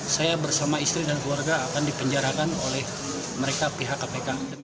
saya bersama istri dan keluarga akan dipenjarakan oleh mereka pihak kpk